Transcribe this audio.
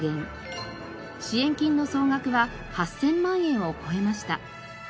支援金の総額は８０００万円を超えました。